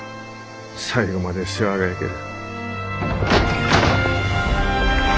最後まで世話が焼ける。